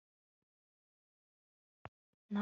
Ntabwo nigera ngukorera ibyo